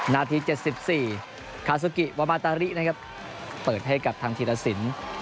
นาที๗๔คาซูกิวามาตารินะครับเปิดให้กับทางธีรสิน